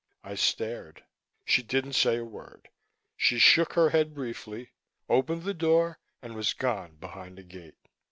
I stared. She didn't say a word. She shook her head briefly, opened the door and was gone behind the gate.